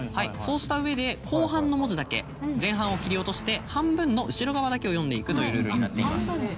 そうした上で後半の文字だけ前半を切り落として半分の後ろ側だけを読んでいくというルールになっています。